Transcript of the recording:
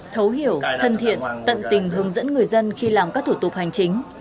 thấu hiểu thân thiện tận tình hướng dẫn người dân khi làm các thủ tục hành chính